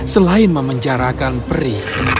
selain memenjarakan peri